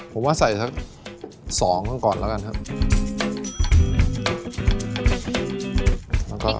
ผมว่าใส่สัก๒ก่อนแล้วกันครับ